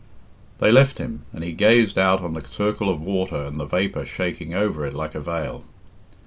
They left him, and he gazed out on the circle of water and the vapour shaking over it like a veil.